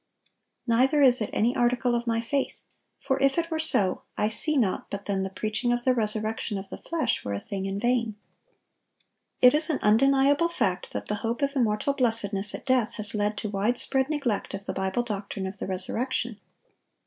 Neither is it any article of my faith; for if it were so, I see not but then the preaching of the resurrection of the flesh were a thing in vain."(968) It is an undeniable fact that the hope of immortal blessedness at death has led to wide spread neglect of the Bible doctrine of the resurrection.